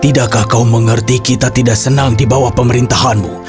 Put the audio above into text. tidakkah kau mengerti kita tidak senang di bawah pemerintahanmu